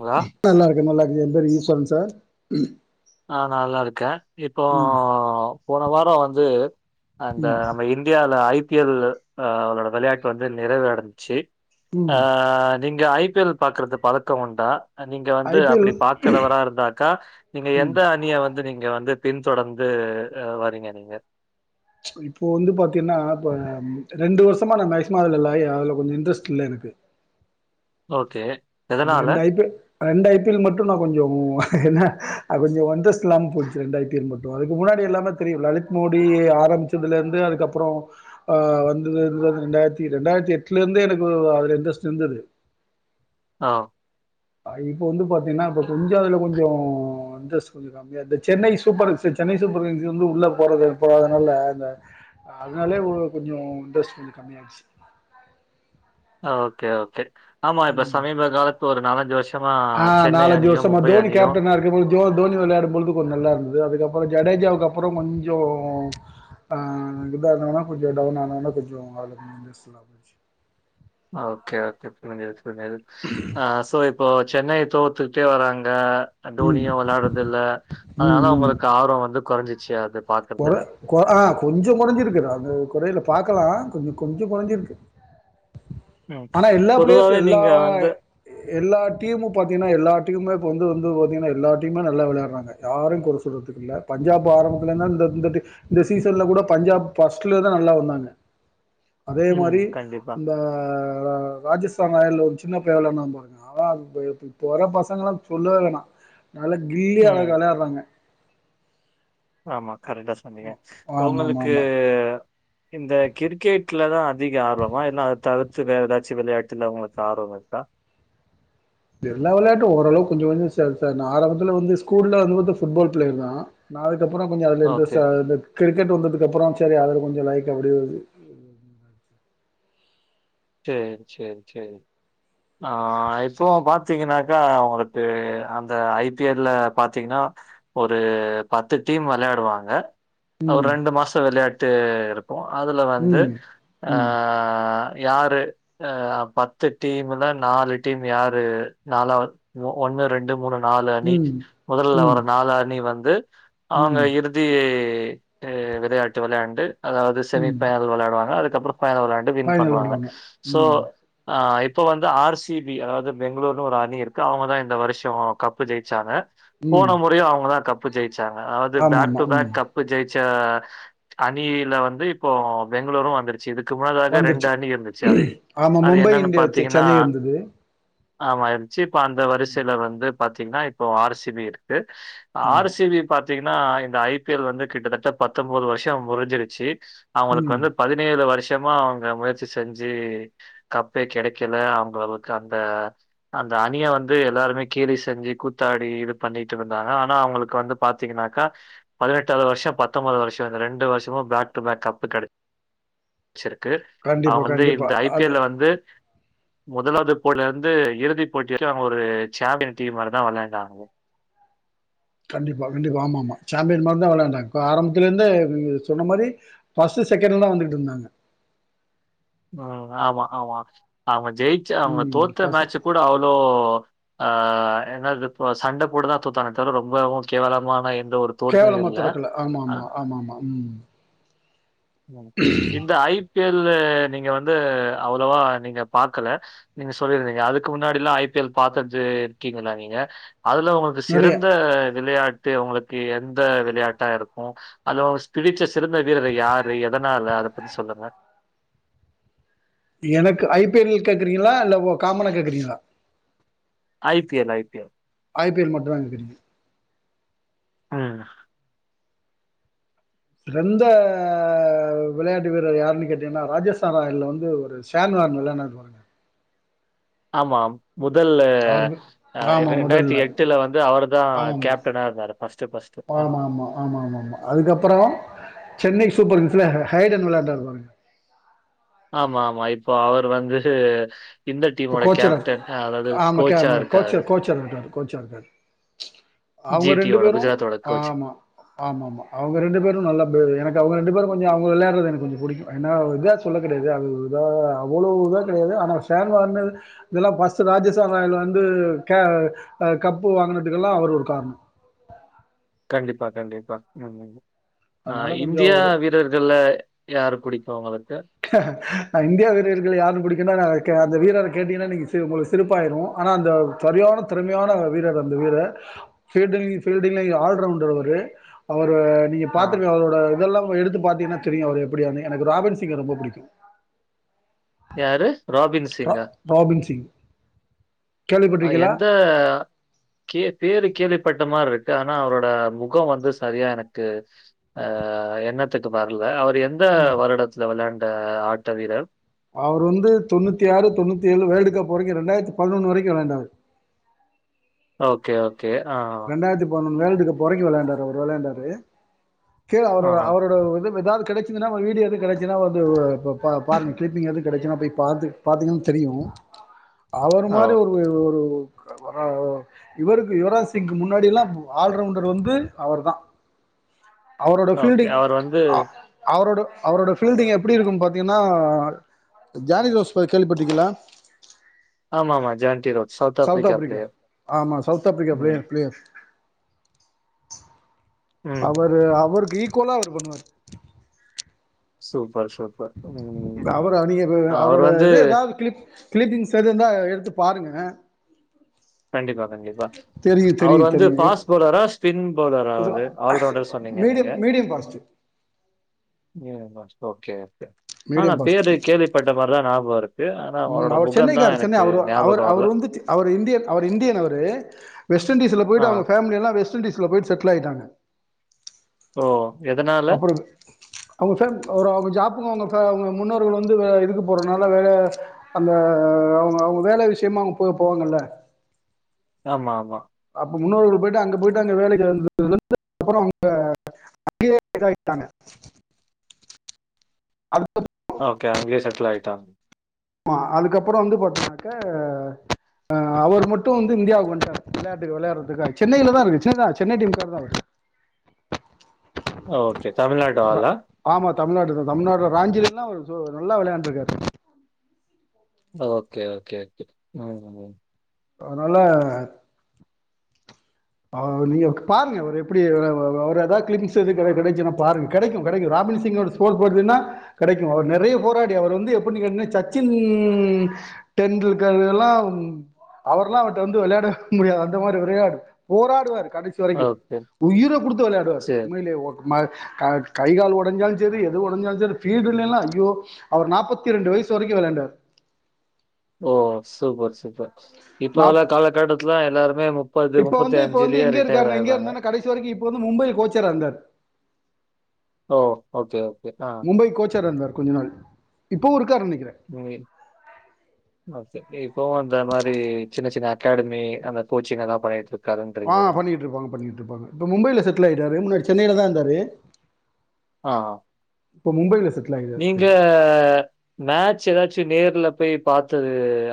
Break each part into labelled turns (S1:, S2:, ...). S1: ங்களா
S2: நல்லா இருக்க நல்லா எந்த ரீஸன் சார்
S1: நா நல்லா இருக்கே இப்போ
S2: ம்
S1: போன வார வந்து அந்த
S2: ம்
S1: நம்ம இந்தியால ஐ பி எல்லு அ அவளோட வெளயாட்டு வந்து நிறைவடஞ்ச்சி ஆ
S2: ம்
S1: நீங்க ஐ பி எல் பாக்கறது பழக்க உண்டா நீங்க
S2: ஐ
S1: வந்து
S2: பி எல்
S1: அப்டி பாக்குறவரா இருந்தாக்கா ங்க
S2: ம்
S1: எந்த அணிய வந்து நீங்க வந்து பின்தொடர்ந்து அ வறீங்க நீங்க
S2: இப்போ வந்து பாத்தீயன்னா இப்ப ரெண்டு வருஷமா நா மேக்சிமோ அதுல லய அதுல கொஞ்சோ இன்ட்ரெஸ் இல்ல எனக்கு
S1: ஓகே
S2: இந்த
S1: எதனால
S2: ரெண்டு ஐ பி ல் ரெண்டு ஐ பி எல் மட்டு நா கொஞ்சோ என்ன அது கொஞ்சோ வ இன்ட்ரஸ்ட் இல்லாம போச்சு ரெண்டாயிரத்தி [unintelligible] மட்டு அதுக்கு முன்னாடி எல்லாமே தெரியு லலித் மோடி ஆரம்பிச்சதுலர்ந்து அதுக்கப்றோ அஹ் வந்து துதது ரண்டாயிரத்தி ரெண்டாயிர்த்தி எட்ல இருந்தே எனக்குவ் அதுல இன்ட்ரெஸ்ட் இருந்துது
S1: ஆ
S2: ஆ இப்பொ வந்துப் பாத் ஏன்னா அது கொஞ்சோ அதுல கொஞ் ஞ்சோ இண்ட்ரெஸ்ட் கொஞ்சோ கம்மிய இந்தச் Chennai supers Chennai super kings வந்து உள்ளப் போறது போறதுனால இந்த அதனாலே ஓ கொஞ்சோ இன்ட்ரெஸ்ட் கொஞ்சோ கம்மியாயிடுச்
S1: ஆ ஓகே ஓகே ஆமா இப்ப
S2: உம்
S1: சமீப காலத்து ஒரு நாலஞ்சு வருஷமா
S2: ஆ
S1: சென்னை
S2: நாலஞ்சு
S1: அணியு
S2: வருஷமா
S1: மும்பை
S2: தோனிக்
S1: அணியு
S2: கேப்டனா இருக்கம்போது தோ தோனி விளையாடும்பொலுது கொஞ் நல்லாருந் து அதுக்கப்பறோ ஜடேஜாவுக்கு அப்புறோ கொஞ்சோ அ இதாருந்தோமுனா கொஞ்சோ டவுன் ஆணோன்னா கொஞ்சோ [unintelligible]
S1: ஓகே ஓகே புரிஞ்சிடுச் [unintelligible] ஆ சோ இப் இப்போ சென்னை தோத்துக்ட்டே வராங்க
S2: ம்.
S1: டோனியு வெளாட்றதுல்ல அதனால அவுங்களுக்கு ஆர்வோ வந்து குறைஞ்சிச் ச்சி அத
S2: கொ கொ ஆ கொஞ்சோ கொறஞ்சிருக்கு அது கொறைல பாக்கலா கொஞ்சொ கொஞ்சொ கொறஞ்சிருக்கு
S1: ம்.
S2: ஆனா எல்லாப் பிளேயர்ஸ்
S1: பொதுவாவே
S2: எல்லா
S1: நீங்க வந்து
S2: எல்லாட் டீமு பாத்தீங்கனா எல்லா டீம்மே இப்ப வந்து வந்து பத்தீங்ன்னா எல்லா டீம்மே நல்லா வெளையாறாங்க யாரையோ கொற சொல்றத்துக்குல்ல பஞ்சாப் ஆரம்பத்துலந்தே இந்த இந்தடி இந்த சீசன்லக் கூட பஞ்சாப் ஃபஸ்ட்லேதா நல்லா வந்தாங்க அதே
S1: ம்.
S2: மாரி
S1: கண்டிப்பா.
S2: ந்தஅ ர ராஜஸ்தான் ராயல்ல ஒருச் சின்னப் பய வெளான்னா பாருங்க அவ இப் இப் இப்போ வரப் பசங்கலா சொல்லவே வேணா நல்லா கில்லி
S1: ம்.
S2: ஆளுகளா வெளயாட்றாங்க
S1: ஆமா கரெக்டா சொன்னிங்க ஒங்களுக்கு
S2: ஆமாமாமா.
S1: இந்தக் கிரிக்கேட்லதா அதிக ஆர்வமா இல்ல அதத் தவிர்த்து வேற எதாச்சு வெளையாட்டுல உங்களுக்கு ஆர்வமிருக்கா
S2: எல்லா வெளயாட்டு ஓரளவு கொஞ்ச கொஞ்சம் சர் சர் நா ஆரம்பத்துல வந்து ஸ்கூல்ல வந்துப்பாத்த ஃபுட்பால் ப்ளேயர் தா நா துக்கப்பறோ கொஞ்சொ அதுல
S1: ஓகே.
S2: இண்ட்ரெஸ்டாயிருந்துக் கிரிக்கெட் வந்ததுக்கப்பறோ ச்சேரி அதுல கொஞ்சொ லைக் அப்டியே
S1: சேர் சேர் சேர் ஆஹ் இப்போவப் பாத்திங்கன்னாக்கா அவுங்களுக்கு அந்த ஐ பி எல் ல பாத்தீங்னா ஒருப் பத்து டீம் வெளையாடுவாங்க
S2: ம்.
S1: அவரெண்டு மாசோ வெளையாட் தேர்ப் ஓ அதுல வந்து
S2: ம்.
S1: அ
S2: ம்.
S1: யார் ன்று அ பத்துட் டீம் முல நாலு டீம் யாரு நாலாவ் ஓ ஒன்னு ரெண்டு மூணு நாலு அணி
S2: ம்.
S1: முதல்ல
S2: ம்.
S1: வர நாலு அணி வந் து அவுங்க
S2: ம்.
S1: இறுதி ஹூ விளையாட்டு வெளையாண்டு அதாவது செமி
S2: ம்.
S1: ஃபைனல் வெளாடுவாங்க அடு கப்றோ ஃபைனல் ஒரு ஆட்டு வின்
S2: ஃபைனல்
S1: பண்ணுவாங்க
S2: விடுவாங்க.
S1: சோ
S2: ம்.
S1: அ இப் இப்போ வந்து ஆர் சி பி அதாது பெங்களூர்னு ஒரு அணி இருக்கு அவுங்க தா இந்த வருஷோ கப்பு ஜெயிச்சாங்க
S2: ம்.
S1: போன மொறயு அவுங்கதா கப் ப்பு ஜெய் சாங்க அதவது பேக்
S2: ஆமாமா.
S1: டு பேக்
S2: ம்.
S1: கப்பு ஜெய்ச் ச அணியியில வந்து இப்போ பெங்களூரு வந்துருச்சு இதுக் க்கு முன்னதாக ரெண்டு
S2: வந்துருச்சு.
S1: அணி இருந்துச்சு அது அது என்னன்னு
S2: ஜெவிச்ச
S1: பார்த்தீங்கன்னா,
S2: சென்னை இருந்துது
S1: ஆமா இருஞ்ச்சிப் ப்ப அந்த வரிசைல வந்துப் பாத்தீங்கன்னா இப்போ ஆர் சி பி இருக்கு
S2: ஆமா.
S1: ஆர் சி பி ய பாத் த்தீங்கன்னா இந்த ஐ பி எல் வந்து கிட்டத்தட்ட பத்தொம்போது வருஷோ முறிஞ்சிருச்சி அவுங்களுக்கு
S2: ம்.
S1: வந்து பதினேழு வருஷ் யமா அவுங்க முயற்சி செஞ்சி கப் ப்பே கெடைக்கல அவுங்களவுக்கு அந்த அந்த அணிய வந்து எல்லாருமே கேலி செஞ்சி கூத்தாடி இது பண்ணிட்டு இருந்தாங்க ஆனா அவுங்களுக்கு வந்து பாத்தீங்கனாக்கா பதினெட்டாவது வருஷோ பத்தோம்போது வருஷோ இந்த ரெண்டு வருஷமு‌ பேக் டு பேக் கப்பு கெடை ச்சிருக்கு
S2: கண்டிப்பா,
S1: அவங் வந்து
S2: கண்டிப்பா.
S1: இந்த ஐ பி
S2: அது
S1: எல் ல வந்து முதலாவ்து போட்லந்து இறுதி போட்டி வரையு அவுங்க ஒரு சேம்பியன் டீம்மாரிதா வெளையாண்டாங்கொ
S2: கண்டிப்பா கண்டிப்பா ஆமாமா சேம்பியன் மார்தா வெளையாண்டாங்க கொ ஆரம்பத்துலந்தே து சொன்ன மாரி பஸ்ட் செகண்ட்ல தா வந்துகிட்டு இருந்தாங்க
S1: உம் ஆமா ஆமா ஆமா ஜெயிச்ச அவுங்க
S2: ம்
S1: தோத்த
S2: பசு
S1: மேட்ச் கூட அவ்ளோ ஆ என்னது ப சண்ட போட்டுதா தோத்தானே தவற ரொம்பவு கேவலமான இன்
S2: கேவலமா தொறக்கல ஆமாமா ஆமாமா உம்
S1: இந்த ஐப் ஐ பி எல்ல நீங்க வந்து அவ்ளோவா நீங்க பாக்கல நீங்க சொல்லிருந்தீங்க அதுக்கு முன்னாடில்லா ஐ பி எல் பாத்தது இருக்கீங்களா நீங்க அதுல உங்களுக்கு
S2: நெறைய
S1: சிறந்த விளையா ட்டு உங்களுக்கு எந்த விளையாட்டா இருக்கு அதுல உங்க ஸ்பிரிச்சர்ஸ் சிறந்த வீரர் யார் எதனால அத பத்தி சொல்லுங்க
S2: எனக்கு ஐ பி எல் கேக்குறீங்களா இல்ல காமனா கேக்குறீங்களா
S1: I P L I P L
S2: I P L மட்டுந்தா எனக்கு தெரியு
S1: உம்
S2: சிறந்த விளையாட்டு வீரர் யாருன்னு கேட்டீங்கன்னா ராஜஸ்தான் ராயல்ல வந்து ஒரு சான்வார்ன் விளையாடுனாரு பாருங்க
S1: ஆமாம் முதல்ல
S2: அவரு
S1: அஹ்
S2: ஆமா முதல்ல
S1: இரண்டாயிரத்தி எட்டுல வந்து அவர்தான்
S2: ஆமா
S1: கேப்டனா இருந்தாரு பஸ்ட் பஸ்ட் ஆஹ
S2: ஆமா ஆமா ஆமா ஆமா ஆமா அதுக்கப்புறோ சென்னை சூப்பர் கிங்ஸ்ல ஹைடன் விளையாண்டாரு பாருங்க
S1: ஆமாமா இப்போ அவர் வந்து இந்த
S2: இப்ப
S1: டீமோட
S2: கோச்சரா
S1: கேப்டன் அதாவது கோச்சா இருக்காரு
S2: கோச்சார அவுங்க ரெண்டு
S1: ஜிடியோட
S2: பேரும்
S1: குஜராத்தோட கோச்.
S2: ஆமா ஆமாமா அவுங்க ரெண்டு பேரும் நல்ல பிளேயர் எனக்கு அவுங்க ரெண்டு பேரும் கொஞ்சோ அவுங்க விளையாடறது எனக்கு கொஞ்சோ புடிக்கு அதனால ஒரு இதா சொல்ல கிடையாது அது இதா அவ்வளவு இதா கிடையாது ஆனா சேர் இதெல்லாம் ஃபர்ஸ்ட் ராஜஸ்தான் ராயல் வந்து கப்பு கே வாங்கினதுக்கெல்லா அவர் ஒரு காரணம்
S1: கண்டிப்பா கண்டிப்பா உம்
S2: அதனால
S1: ஆஹ்
S2: கொஞ்சம்
S1: இந்தியா
S2: ஒரு
S1: வீரர்கள்ல யாரு புடிக்கு உங்களுக்கு
S2: இந்தியா வீரர்களை யாரு புடிக்குனா அந்த வீரர கேட்டீங்கனா நீங்க உங்களுக்கு சிரிப்பாயிரும் ஆனா அந்த சரியான திறமையான வீரர் அந்த வீரர் ஃபீல்டிங் ஃபீல்டிங்லயும் ஆல்ரவுண்டர் அவரு அவர் நீங்க
S1: ஆ.
S2: பாத்துருபீங்க அவரோட இதெல்லா எடுத்து பார்த்தீங்கனா தெரியு அவர் எப்படியானு எனக்கு ராபின்ஸ் ரித்திக்க ரொம்ப புடிக்கு
S1: யாரு ராபின்
S2: ர
S1: சிங்.
S2: ராபின் சிங் கேள்விப்பட்டிருக்கீங்களா
S1: எந்த கே பேரு கேள்விப்பட் ட மாரி இருக்கு ஆனா அவரோட முகம் வந்து சரியா எனக்கு எண்ணத்துக்கு வர்ல அவர் எந்த
S2: ம்
S1: வருடத்தல விளையாண் ட ஆட்ட வீரர்
S2: அவர் வந்து தொண்ணூத்தி ஆறு தொண்ணூத்தி ஏழு வேல்டு கப் வரைக்கு இரண்டாயிரத்தி பதினொன்னு வரைக்கு விளையாண்டாரு
S1: ஓகே ஆல் கே ஆஹ்
S2: வேல்டுகப் போறைக்கும் விளையாண்டாரு அவரு விளையாண்டாரு கே அவரோட
S1: ஆ.
S2: அவரோட இது ஏதாவது கிடைச்சதுனா வீடியோ எதும் கிடைச்சதுனா வந்து பா பாருங்க க்ளிப்பிங் எதும் கிடைச்சுதுனா போய் பாத்து பாத்தீங்கன்னா தெரியும் அவர்
S1: ஓ!
S2: மாதிரி ஒரு ஒரு [unintelligible] இவருக்கு யுவரா சிங் முன்னாடி எல்லாம் ஆல்ரவுண்டர் வந்து அவர் தா அவரோட
S1: ஓகே.
S2: ஃபீல்டிங்
S1: அவர் வந்து
S2: அ அவரோட அவரோட ஃபீல்டிங் எப்படி இருக்கும்னு பாத்தீங்கன்னா ஜானி ஜோஸ் கேள்விப்பட்ரிக்ங்கிளா
S1: ஆமா ஆமா ஜான்டி ரோ
S2: சவுத் ஆஃப்ரிக்கா ஆமா சவுத் ஆஃப்ரிக்கா
S1: ம்,
S2: பிளேயர் பிளேயர்
S1: ம்.
S2: அவரு அவர் ஈக்கோலா அவரு பண்ணுவாரு
S1: சூ
S2: அவரு அணியே இப்டிதா
S1: அவர்
S2: அவரோட
S1: வந்து
S2: இது எதாவ்து கிளிப் க்ளீப்பிங்ஸ் இருந்தா எடுத்து பாருங்க
S1: கண்டிப்பா கண்டிப்பா
S2: தெரியு
S1: அவரு
S2: தெரியு
S1: வந்து
S2: தெரியு எப்
S1: ஃபாஸ் பவ்லரா ஸ்பின் பவ்லரா
S2: சோ
S1: ஆல்ரவுண்டர் சொன்னீங்க நீங்க
S2: மீடியம் மீடியம் ஃபாஸ்ட்
S1: ஓகே ஆனா பேரு கேள்விப்பட்ட மாரிதா நாபக இருக்
S2: உம் அவரு சென்னைக்காரு சென்னை அவரு அவர்
S1: ஞாபகம் வரல.
S2: அவரு வந்து தி அவரு இண்டியன் அவரு இந்தியன் அவரு வெஸ்ட் இண்டீஸ்ல
S1: ஆ.
S2: போய்ட்டு அவ்ங்க ஃபேம்லியெல்லா வெஸ்ட் இண்டீஸ் ல போய்ட்டு செட்டில் ஆயிட்டாங்க
S1: ஓ எதனால?
S2: அப்பறம் அவ்ங்க ஃபிரெண்ட் அவரா வந் ஜாப்புக்கு அவ்ங்க ஃபே அவ்ங்க முன்னோர்கள் வந்து வே இதுக்கு போறனால வேல அந்த அங்க அவ்ங்க வேல விஷ்யமா அவ்ங்க போ போவாங்கல்ல
S1: ஆமா ஆமா
S2: அப்ப முன்னோர்கள் போயிட்டு அங்க போயிட்டு அங்க வேலைக்கு வந்து [inaudible] அப்பற அவ்ங்க அங்கயே இத ஆய்ட்டாங்க
S1: ஓகே அங்கயே செட்டில் ஆயிட்டாங்
S2: மா அதுக்கப்பற வந்து பாத்தோனாக்க அஹ் அவர் மட்டு வந்து இந்தியாவுக்கு வந்ட்டாரு விளையாட்டுக்கு விளையாட்றதுக்காக சென்னைல தா இருக்கு சென்னைலதா சென்னை டீம்காரு தா அவரு
S1: ஓகே தமிழ்நாடு ஆளா
S2: தமிழ்நாடுல தமிழ்நாடுல ராஞ்சிலெல்லா சூ நல்லா வெளையாண்ட்ருக்காரு
S1: ஓகே ஓகே ஓகே உம் உம்
S2: அதுனால ஆ நீங்க் பாருங்க அவரு எப்டி அ அவ் அவரு அதா கிளிப்பிங்ஸ் எது கெடச் கெடச்சுனா பாருங்க கெடைக்கு கெடைக்கு ராபின் சிங்கோட ஸ்கோர் போர்டுன்னா கெடைக்கணு அவரு நெறையா போராடி அவரு வந்து எப்டிங்கனா சச்சின் டெண்டுல்கர் எல்லா அவர்லா அவர்ட்ட வந்து வெளையாடவே முடியாது அந்த மாரி விரையாடு போராடுவாரு கடைசி வரக்கு
S1: ஓகே.
S2: உயிர குடுத்து வெள்யாடுவாரு
S1: சரி.
S2: உண்மைலே ஓடு ம அ கை கால் ஒடஞ்சாலு செரி எது ஒடஞ்சாலு செரி ஃபீல்டுலேலா ஐயோ அவர் நாப்பத்தி ரெண்டு வய்சு வரக்கு வெளாயாண்டாரு
S1: ஓ சூப்பர் சூப்பர் இப்ப
S2: நாப்
S1: உள்ள காலகட்டத்ல எல்லாருமே முப்பது
S2: இப்ப
S1: முப்பத்தி
S2: வந்து இப்ப வந்து
S1: அஞ்சுலயே
S2: எங்க
S1: ரிட்டையர்
S2: இருக்காருன்னா எங்க
S1: ஆயர்றாங்க
S2: இருந்தாருன்னா கடைசி வரைக்கு இப்ப வந்து மும்பைல கோச்சரா இருந்தாரு
S1: ஓ ஓகே ஓகே ஆ
S2: மும்பை கோச்சாரா இருந்தார் கொஞ்ச நாள் இப்பவு இருக்
S1: [unintelligible] அ இப்பவு அந்த மாரி சின்ன சின்ன அகாடமி அந்த கோச்சிங் எல்லா பண்ணிட்ருக்
S2: ஆ பண்ணிகிட்ருப்பாங்க பண்ணிகிட்ருப்பாங்க இப்ப மும்பைல செட்டில் ஆயிட்டாரு முன்னாடி சென்னைலதா இருந்தாரு
S1: ஆ.
S2: இப்ப மும்பைல செட்
S1: நீங்க மேட்ச் எதாச்சு நேர்ல போய் பாத்தது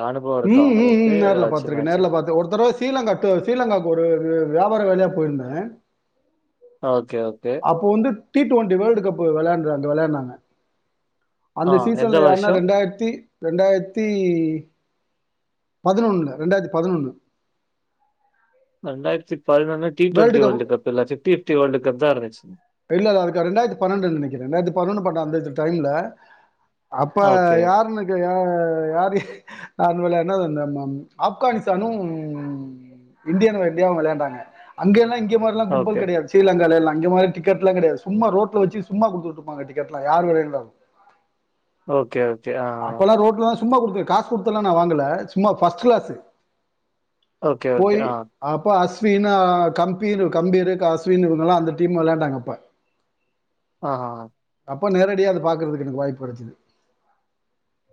S1: அனுபவம் இருக்கா
S2: ம் ம்
S1: உங்களுக்கு?
S2: ம் நேர்ல
S1: ஏதாச்சும்
S2: பாத்ருக்கே
S1: மேட்ச்சு?
S2: நேர்ல பாத்த ஒரு தடவ ஸ்ரீலங்கா டூ ஸ்ரீலங்காக்கு ஒரு வியாபார வேலையா போயிருந்தே
S1: ஓகே, ஓகே.
S2: அப்போ வந்து டி டுவெண்டி வேர்ல்டு கப் வெளையாண்ட வந்து வெளையாடுனாங்க
S1: ஆ
S2: அந்த
S1: எந்த
S2: சீசன்ல யார்ன்னா
S1: வருஷம்?
S2: ரெண்டாயிரத்தி ரெண்டாயிரத்தி பதினொன்னுல ரெண்டாயிரத்தி பதினொன்னு
S1: ரெண்டாயிரத்தி பதினொன்னு டி டுவெண்டி வேர்ல்ட் கப் இல்ல ஃபிப்டி ஃபிப்டி வேர்ல்ட் கப்தா இருந்துச்சி
S2: இல்லது அதுக்கா ரெண்டாயிரத்தி பன்னென்டுன் நெனைக்ற ரெண்டாயிரத்தி பதினொன்னு பன்னன்டு அந்தத டைம்ல அப்ப
S1: ஓகே,
S2: யாருன்னுக்கு ய யாரு யார் விளையாடுனா ந ந ம் ஆப்கானிஸ்தானு இன்டியா இன்டியாவு வெளையாண்டாங்க அங்கெல்லா இங்க மார்லா கும்பல்
S1: ஓகே,
S2: கெடையாது ஸ்ரீலங்காலெல்லா இங்க மாரி டிக்கெட்லா கெடையாது சும்மா ரோட்ல வெச்சு சும்மா குடுத்துட்ருப்பாங்க டிக்கெட்லா யார் வரிங்ளோ
S1: ஓகே ஆ,
S2: அப்பலா ரோட்ல சும்மா குடுத்து காசு குடுத்துலா நா வாங்கல சும்மா ஃபஸ்ட் கிளாஸு
S1: ஓகே, ஓகே.
S2: போயி
S1: ஆ,
S2: அப்ப அஸ் வீனா கம்பீர் கம்பீரு அஸ்வின் இவுங்கெலா அந்த டீம் விளையாண்டாங்க அப்ப
S1: ஆ ஆ ஆ
S2: அப்ப நேரடியா அத பாக்கறதுக்கு எனக்கு வாய்ப்பு கெடச்சிது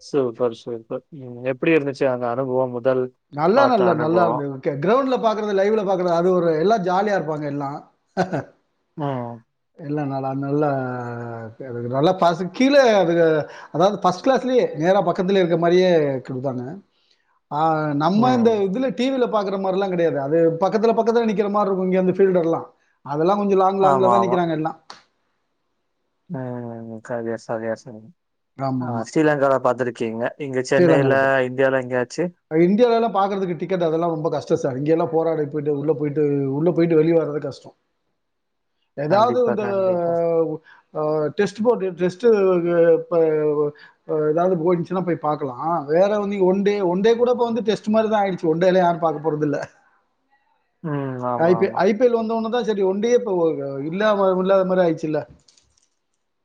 S1: சூப்பர் சூப்பர் ம் எப்டி இருந்துச்சு அந்த அனுபவம் முதல்
S2: நல்ல
S1: பாத்த
S2: நல்லா நல்லா
S1: அனுபவம்?
S2: இருந்தது ஓகே கிரௌண்ட்ல பாக்குறது லைவ்ல பாக்குறது அது ஒரு எல்லா ஜாலியா இருப்பாங்க எல்லா
S1: உம்
S2: எல்லா நால அ நல்லா அது நல்லா ப கீழே அது அதாது ஃபர்ஸ்ட் கிளாஸ்லயே நேரா பக்கத்துல இருக்க மாதிரியே குடுத்தாங்க ஆ.. நம்ம இந்த
S1: ம்.
S2: இதுல டிவில பாக்குற மாரிலா கிடையாது அது பக்கத்துல பக்கத்தில நிக்கிற மாரி இருக்கு அந்த பீல்ட எல்லா அதெல்லாம் கொஞ்ச லாங் லாங்கல
S1: ஆமா,
S2: தான்
S1: ஆமா.
S2: நிக்குறாங்க எல்லா
S1: ம் [unintelligible] ஆ
S2: ஆமாமா.
S1: ஸ்ரீலங்கால பாத்துருக்கே கீங்க இங்க சென்னைல இந்தியால எங்க
S2: இந்தியாலல்லா பாகுறதுக்கு டிக்கட் அதெல்லா ரொம்ப கஷ்டோ சார் இங்கெல்லா போராடி போயிட்டு உள்ள போயிட்டு உள்ள போயிட்டு வெளிய வர்ரது கஷ்டோ ஏதாவது
S1: கண்டிப்பா,
S2: இந்த
S1: கண்டிப்பா.
S2: ஓ டெஸ்ட் போடு டெஸ் த்து ஒ ஏதாவது போய்ந்துச்சுன்னா போய் பாக்கலா வேற வந்து இங்க ஒன்டே ஒன்டே கூடப் போந்து டெஸ்ட் மாரிதா ஆயிடுச்சு ஒன்டேல்லா யாரு பாக்க போறது இல்ல
S1: ம். ஆமா,
S2: ஐபி
S1: ஆமா.
S2: ஐ பி எல் வந்த ஒன்னுதா சரி ஒண்டியேப்ப ஓ இல்லாம முல்லாத மாரி ஆயிச்சுல்ல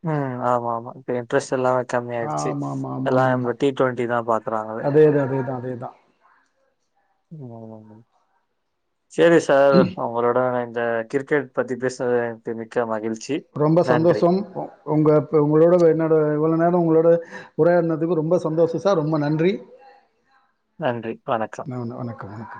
S1: உம் ஆமா ஆமா இப்ப இன்ட்ரெஸ்ட்ல்லா கம்மி ஆயிடுச்சு
S2: ஆமா ஆமா ஆமா
S1: எல்லா
S2: ஆமா ஆமா
S1: நம்ம டி டுவெண்டிதா பாக்குறாங்கலே
S2: அதேதா அதேதா அதேதா
S1: [unintelligible] செரி சார் உங்களோட வெ த கிரிக்கெட் பத்தி பேசவே தே மிக்க மகிழ்
S2: ரொம்ப சந்தோஷம் உங்க உங்களோட என்னோட இவ்வளோ நேரோ உங்களோடு உரையாடுனதுக்கு ரொம்ப சந்தோஷோ சார் ரொம்ப நன்றி
S1: நன்றி வணக்கம்
S2: வணக்கம் வணக்கம்